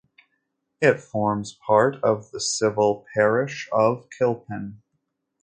It forms part of the civil parish of Kilpin.